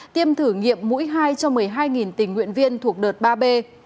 tiêm thử nghiệm mũi hai cho một mươi hai tình nguyện viên thuộc đợt ba b